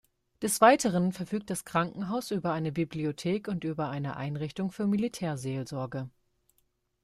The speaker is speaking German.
Des Weiteren verfügt das Krankenhaus über eine Bibliothek und über eine Einrichtung für Militärseelsorge.